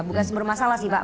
bukan sumber masalah sih pak